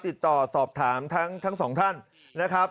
ติดต่อสอบถามทั้งสองท่านนะครับ